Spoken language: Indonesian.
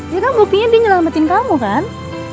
dia kan buktinya dia nyelamatin kamu kan